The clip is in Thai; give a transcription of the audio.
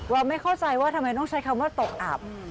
ไม่เข้าใจว่าทำไมต้องใช้คำว่าตกอับ